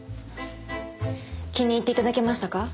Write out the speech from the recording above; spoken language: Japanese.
気に入っていただけましたか？